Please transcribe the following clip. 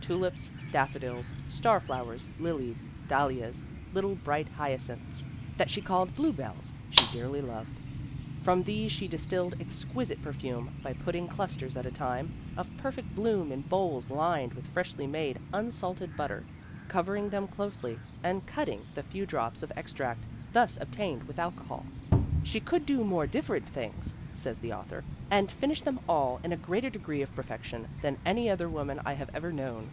Tulips, daffodils, star flowers, lilies, dahlias, little bright hyacinths, that she called 'blue bells/ she dearly loved. From these she distilled exquisite per fume by putting clusters at time of perfect bloom in bowls lined with freshly made, unsalted butter, cover ing them closely, and cutting the few drops of extract GENE STRATTON PORTER 91 thus obtained with alcohol. 'She could do more dif ferent things,' says the author, 'and finish them all in a greater degree of perfection, than any other woman I have ever known.